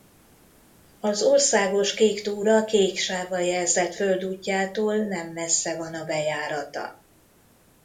Az Országos Kéktúra kék sávval jelzett földútjától nem messze van a bejárata.